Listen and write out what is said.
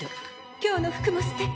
「今日の服もすてき！